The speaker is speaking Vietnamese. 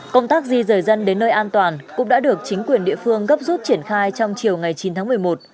công tác di rời dân đến nơi an toàn cũng đã được chính quyền địa phương gấp rút triển khai trong chiều ngày chín tháng một mươi một